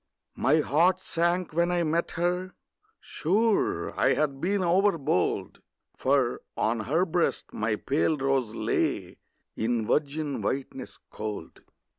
My heart sank when I met her: sure I had been overbold, For on her breast my pale rose lay In virgin whiteness cold.